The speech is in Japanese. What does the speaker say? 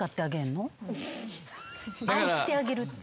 「愛してあげる」って。